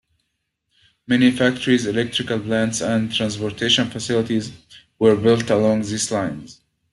Many factories, electrical plants, and transportation facilities were built along these lines.